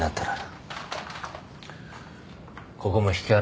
ここも引き払う。